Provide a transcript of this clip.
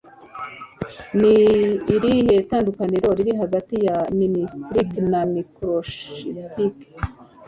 ni irihe tandukaniro riri hagati ya miniskirt na microskirt